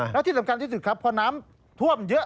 แล้วที่สำคัญที่สุดครับพอน้ำท่วมเยอะ